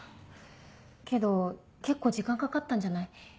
けど結構時間かかったんじゃない？